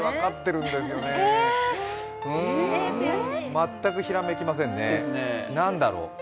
全くひらめきませんね、何だろう？